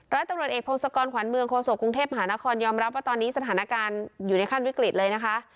ร้อยตำรวจเอกพงศกรขวัญเมืองโคศกกรุงเทพมหานครยอมรับว่าตอนนี้สถานการณ์อยู่ในขั้นวิกฤตเลยนะคะ